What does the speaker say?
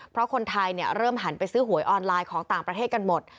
เพราะคนไทยเริ่มหันไปซื้อหวยออนไลน์ของต่างประเทศกันหมด